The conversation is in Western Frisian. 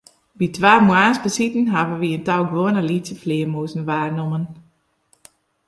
By twa moarnsbesiten hawwe wy in tal gewoane lytse flearmûzen waarnommen.